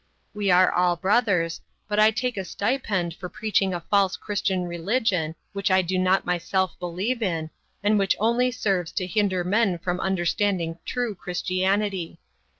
We are all brothers, but I take a stipend for preaching a false Christian religion, which I do not myself believe in, and which only serve's to hinder men from understanding true Christianity.